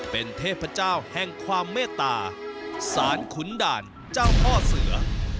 เป็นเทพเจ้าแห่งความเมตตาสารขุนด่านเจ้าพ่อเสือ